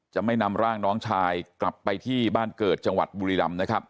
จะไม่นำร่างน้องชายกลับไปที่บ้านเกิดจังหวัดบุรีรำนะครับ